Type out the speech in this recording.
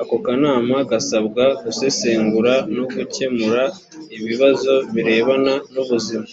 ako kanama gasabwa gusesengura no gukemura ibibazo birebana n’ubuzima